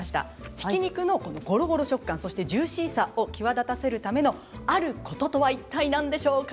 ひき肉のゴロゴロ食感そしてジューシーさを際立たせるためのあることとはいったい何でしょうか。